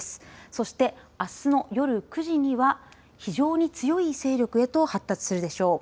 そして、あすの夜９時には非常に強い勢力へと発達するでしょう。